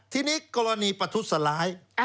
ทีนี้กรณีประทุษร้าย